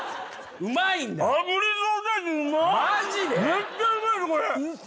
めっちゃうまいこれ。